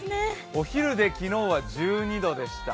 お昼で昨日は１２度でした。